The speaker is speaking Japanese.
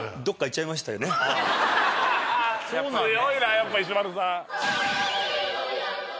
強いなやっぱ石丸さん